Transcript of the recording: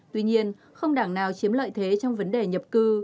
tuy nhiên không đảng nào chiếm lợi thế trong vấn đề nhập cư